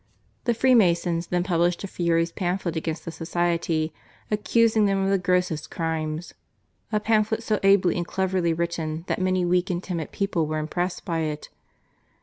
The Freemasons then published a furious pamphlet against the Society, accusing them of the grossest crimes; a pamphlet so ably and cleverly written that many weak and timid people were im pressed by it.